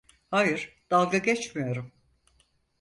Hayır, dalga geçmiyorum.